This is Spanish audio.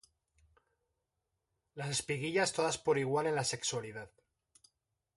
Las espiguillas todas por igual en la sexualidad.